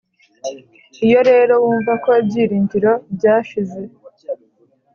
iyo rero wumva ko ibyiringiro byashize